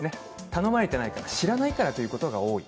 頼まれていないから、知らないからということが多い。